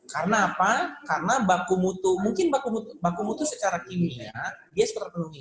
karena apa karena baku mutu mungkin baku mutu secara kimia dia seperti penuh ini